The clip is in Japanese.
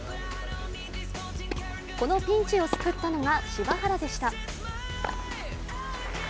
このピンチを救ったのが柴原でした。